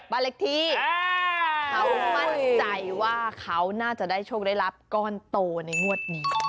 บ้านเล็กที่เขามั่นใจว่าเขาน่าจะได้โชคได้รับก้อนโตในงวดนี้